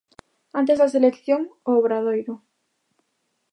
Antes da selección o Obradoiro.